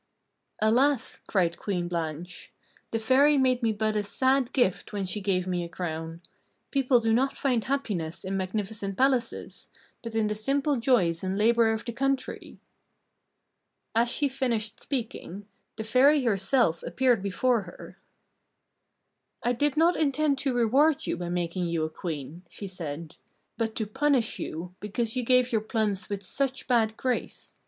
"Alas!" cried Queen Blanche, "the Fairy made me but a sad gift when she gave me a crown! People do not find happiness in magnificent palaces, but in the simple joys and labour of the country!" As she finished speaking, the Fairy herself appeared before her. "I did not intend to reward you by making you a Queen," she said, "but to punish you because you gave your plums with such bad grace.